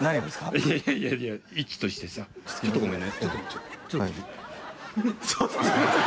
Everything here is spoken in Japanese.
いやいやいやいやちょっとごめんね